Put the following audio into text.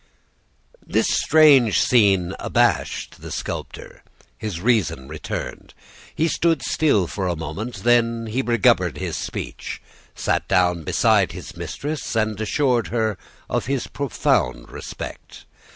"This strange scene abashed the sculptor. His reason returned. He stood still for a moment; then he recovered his speech, sat down beside his mistress, and assured her of his profound respect.